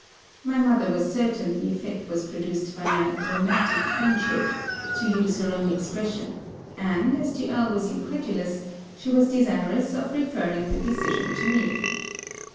My mother was certain the effect was produced by my romantic friendship, to use her own expression; and, as the Earl was incredulous, she was desirous of referring the decision to me.